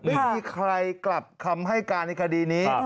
ไม่มีใครกลับคำให้การในคดีนี้